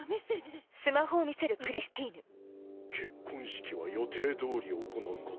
「結婚式は予定通り行うこと」。